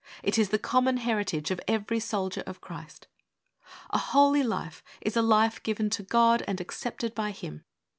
It is the common heritage of every Soldier of Christ. A holy life is a life given to God and accepted by Him.